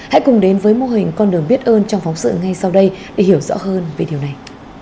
hãy cùng đến với mô hình con đường biết ơn trong phóng sự ngay sau đây để hiểu rõ hơn về điều này